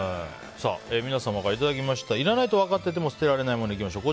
皆様からいただきましたいらないと分かっていても捨てられない物いきましょう。